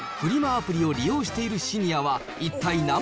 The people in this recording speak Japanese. アプリを利用しているシニアは一体何％？